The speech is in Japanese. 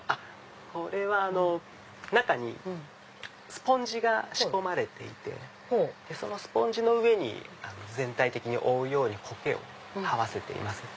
これは中にスポンジが仕込まれていてそのスポンジの上に全体的に覆うようにコケをはわせています。